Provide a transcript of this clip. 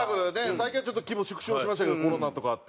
最近は規模縮小しましたけどコロナとかあって。